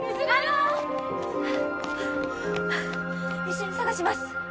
一緒に捜します。